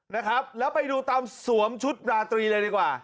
นะครับแล้วไปดูตามสวมชุดราตรีเลยดีกว่า